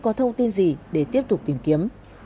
có thông tin gì để tiếp tục tìm kiếm